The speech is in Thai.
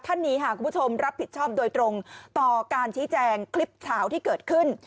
ท่านนี้ค่ะคุณผู้ชมรับผิดชอบโดยตรงต่อการชี้แจงคลิปเฉาที่เกิดขึ้น